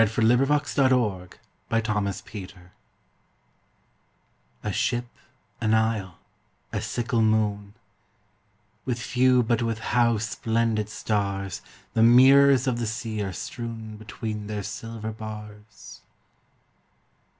174 A Ship^ an Isle, a Sickle Moon A ship, an isle, a sickle moon — With few but with how splendid stars The mirrors of the sea are strewn Between their silver bars